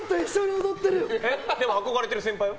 でも、憧れてる先輩は？